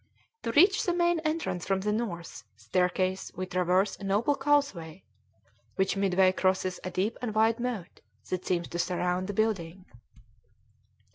To reach the main entrance from the north staircase we traverse a noble causeway, which midway crosses a deep and wide moat that seems to surround the building.